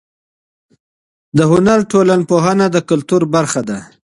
د هنر ټولنپوهنه د کلتور برخه ده.